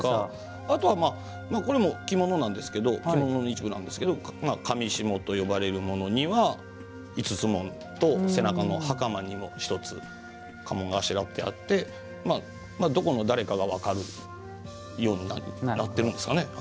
あとはこれも着物の一部なんですけれども裃と呼ばれるものには、五つ紋と背中のはかまにも１つ家紋があしらってあってどこの誰かが分かるようになっていますね。